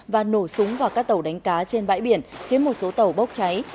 và nổ súng vào các tàu đánh cá trên bãi biển khiến một số tàu bốc cháy